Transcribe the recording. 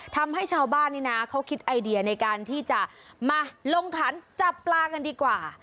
ทำให้ชาวบ้านนี่นะเขาคิดไอเดียในการที่จะมาลงขันจับปลากันดีกว่า